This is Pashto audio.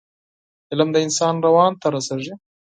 فلم د انسان روان ته رسیږي